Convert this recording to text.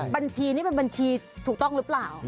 บัญชีนี่เป็นบัญชีถูกต้องหรือเปล่า